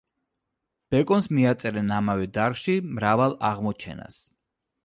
ბეკონს მიაწერენ ამავე დარგში მრავალ აღმოჩენას.